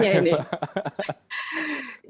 jadi mungkin untuk